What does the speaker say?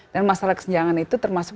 dan masalah kesenjangan itu termasuk